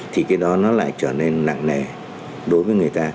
thì cái đó nó lại trở nên nặng nề đối với người ta